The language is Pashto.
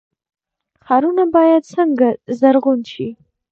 ښارونه باید څنګه زرغون شي؟